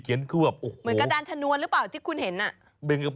เหมือนกระดานชนวนหรือเปล่าที่คุณเห็น